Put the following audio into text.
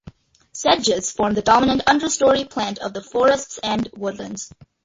Sedges form the dominant understorey plant of the forests and woodlands.